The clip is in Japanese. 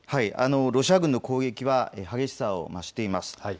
ロシア軍の攻撃は激しさを増しています。